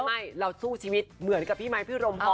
ไม่เราสู้ชีวิตเหมือนกับพี่ไมค์พี่รมพร